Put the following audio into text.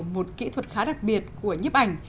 một kỹ thuật khá đặc biệt của nhếp ảnh